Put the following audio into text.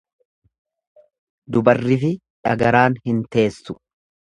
Dubarrifi dhagaraan hin teessu.